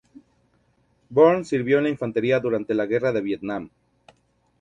Burns sirvió en la infantería durante la guerra de Vietnam.